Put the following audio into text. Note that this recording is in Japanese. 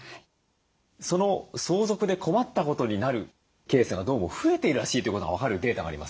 その相続で困ったことになるケースがどうも増えているらしいということが分かるデータがあります。